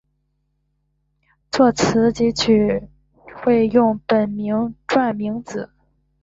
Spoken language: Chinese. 作词及作曲时会使用本名巽明子。